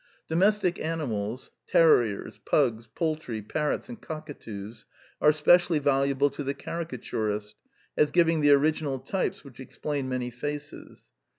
Domestic animals, terriers, pugs, poul try, parrots, and cockatoos, are specially valuable to the caricaturist, as giving the original types which explain many faces.